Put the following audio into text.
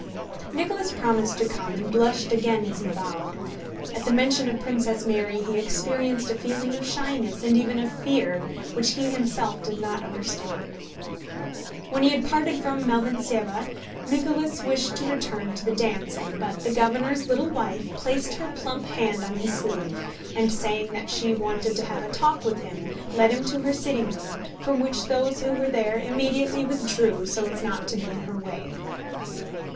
Nicholas promised to come and blushed again as he bowed. At the mention of Princess Mary he experienced a feeling of shyness and even of fear, which he himself did not understand. When he had parted from Malvíntseva Nicholas wished to return to the dancing, but the governor's little wife placed her plump hand on his sleeve and, saying that she wanted to have a talk with him, led him to her sitting room, from which those who were there immediately withdrew so as not to be in her way.